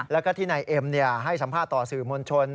แล้วก็ที่นายเอ็มให้สัมภาษณ์ต่อสื่อมวลชน